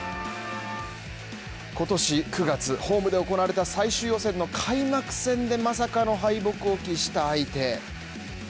今年９月、ホームで行われた最終予選の開幕戦でまさかの敗北を喫した相手。